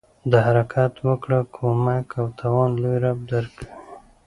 د حرکت وکړه، کومک او توان لوی رب ج درکوي.